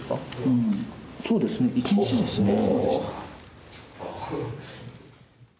うんそうですね一日ですね。